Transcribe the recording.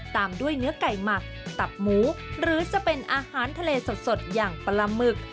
ตามด้วยเนื้อไก่หมักตับหมูหรือจะเป็นอาหารทะเลสดอย่างปลาหมึก